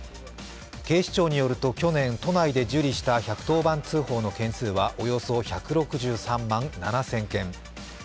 警視庁によると、去年都内で受理した１１０番通報の件数はおよそ１６３万７０００件。